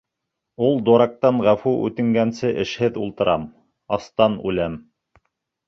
Ул дурактан ғәфү үтенгәнсе эшһеҙ ултырам, астан үләм.